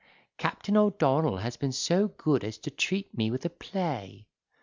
Captain O'Donnell has been so good as to treat me with a play."